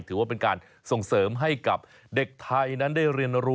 ถือว่าเป็นการส่งเสริมให้กับเด็กไทยนั้นได้เรียนรู้